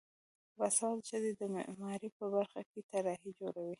باسواده ښځې د معماری په برخه کې طرحې جوړوي.